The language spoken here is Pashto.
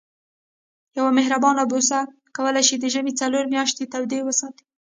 یوه مهربانه بوسه کولای شي د ژمي څلور میاشتې تودې وساتي.